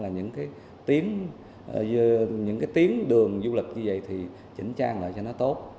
những cái tiến đường du lịch như vậy thì chỉnh trang lại cho nó tốt